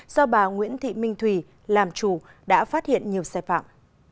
do bà nguyễn thị minh thùy làm chủ đã phát hiện nhiều sai phạm